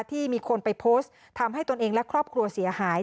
ที่มีคนไปโพสต์ทำให้ตนเองและครอบครัวเสียหาย